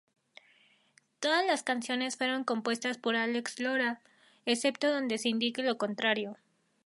Todas las canciones fueron compuestas por Álex Lora, excepto donde se indique lo contrario.